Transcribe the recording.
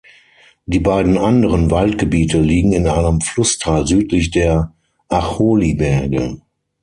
Die beiden anderen Waldgebiete liegen in einem Flusstal südlich der Acholi-Berge.